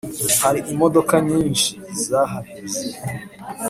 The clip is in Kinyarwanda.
Hari imodoka nyinshi zahaheze